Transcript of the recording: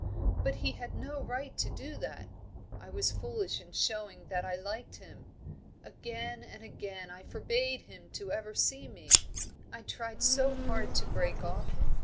But he had no right to do that I was foolish in showing that I liked him. Again and again I forbade him ever to see me; I tried so hard to break off!